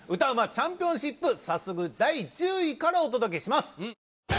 チャンピオンシップ早速第１０位からお届けします！